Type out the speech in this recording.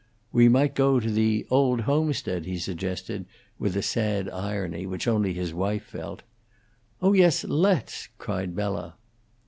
"We might go to the 'Old Homestead,'" he suggested, with a sad irony, which only his wife felt. "Oh yes, let's!" cried Bella.